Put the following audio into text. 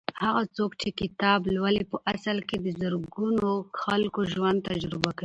هغه څوک چې کتاب لولي په اصل کې د زرګونو خلکو ژوند تجربه کوي.